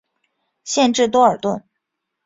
县治多尔顿。